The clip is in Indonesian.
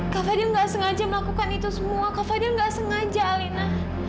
kak fadil gak sengaja alina